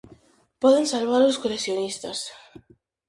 Poden salvalo os coleccionistas.